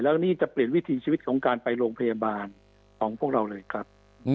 แล้วนี่จะเปลี่ยนวิธีชีวิตของการไปโรงพยาบาลของพวกเราเลยครับ